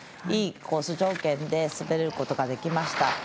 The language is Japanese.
いいコース条件で滑ることができました。